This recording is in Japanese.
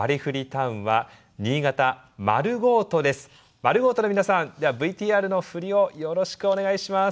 ｍａｒｕｇｏ−ｔｏの皆さんではＶＴＲの振りをよろしくお願いします。